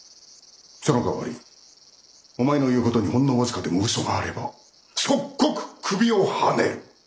そのかわりお前の言う事にほんの僅かでも嘘があれば即刻首をはねる。